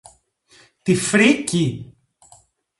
Τι φρίκη!